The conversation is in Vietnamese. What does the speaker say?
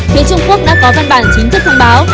phía trung quốc đã có văn bản chính thức thông báo